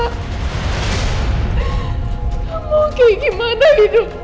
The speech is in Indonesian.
kamu kayak gimana hidup